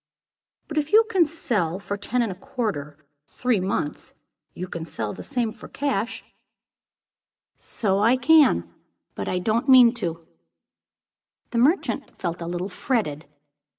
"But if you can sell for ten and a quarter, three months, you can sell for the same, cash." "Yes, so I can; but I don't mean to do it." The merchant felt a little fretted.